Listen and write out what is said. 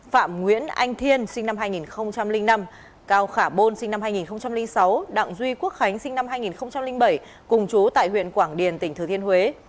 phạm nguyễn anh thiên sinh năm hai nghìn năm cao khả bôn sinh năm hai nghìn sáu đặng duy quốc khánh sinh năm hai nghìn bảy cùng chú tại huyện quảng điền tỉnh thừa thiên huế